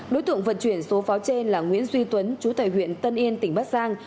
đối tượng vận chuyển số pháo trên là nguyễn duy tuấn chú tài huyện tân yên tỉnh bắc giang